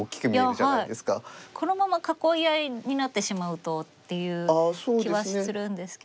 このまま囲い合いになってしまうとっていう気はするんですけど。